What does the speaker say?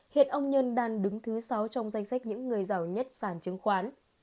hiện ông nhân đang đứng thứ sáu trong danh sách những người giàu nhất sàn chứng khoán